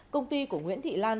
công ty của nguyễn thị lan